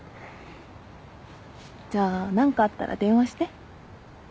じゃあ何かあったら電話して。